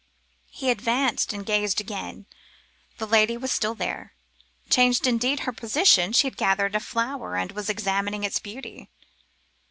He advanced, and gazed again; the lady was still there. Changed indeed her position; she had gathered a flower and was examining its beauty.